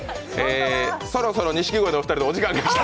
そろそろ錦鯉のお二人のお時間が来ました。